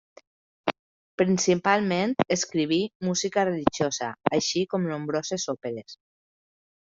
Principalment escriví música religiosa, així com nombroses òperes.